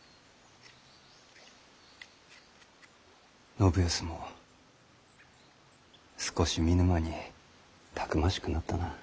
信康も少し見ぬ間にたくましくなったな。